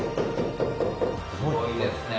すごいですねえ。